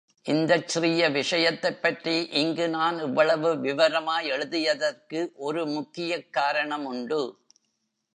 இந்தச் சிறிய விஷயத்தைப் பற்றி இங்கு நான் இவ்வளவு விவரமாய் எழுதியதற்கு ஒரு முக்கியக் காரணமுண்டு.